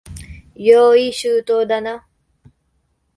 用意周到だな。